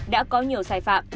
đã có nhiều sai phạm